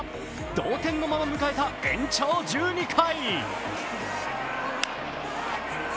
同点のまま迎えた延長１２回。